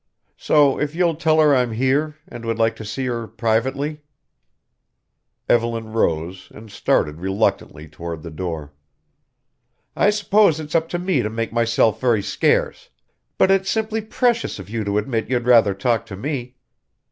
So if you'll tell her I'm here and would like to see her privately " Evelyn rose and started reluctantly toward the door. "I suppose it's up to me to make myself very scarce. But it is simply precious of you to admit you'd rather talk to me.